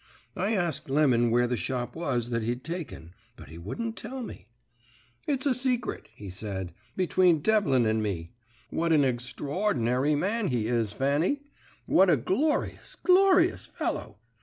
"I asked Lemon where the shop was that he'd taken, but he wouldn't tell me. "'It's a secret,' he said, 'between Devlin and me. What an egstrordinary man he is, Fanny! What a glorious, glorious fellow!